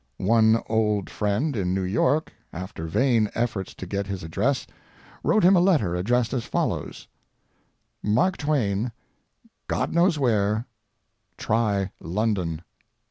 One old friend in New York, after vain efforts to get his address, wrote him a letter addressed as follows MARK TWAIN, God Knows Where, Try London.